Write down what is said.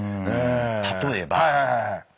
例えば。